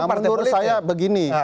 menurut saya begini